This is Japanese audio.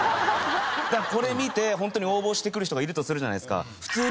これ見て本当に応募してくる人がいるとするじゃないですか。